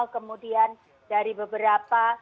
kemudian dari beberapa